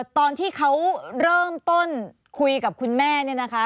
ตอนที่เขาเริ่มต้นคุยกับคุณแม่เนี่ยนะคะ